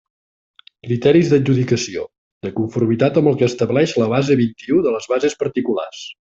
Criteris d'adjudicació: de conformitat amb el que establix la base vint-i-u de les bases particulars.